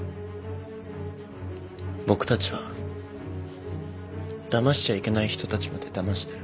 僕たちはだましちゃいけない人たちまでだましてる。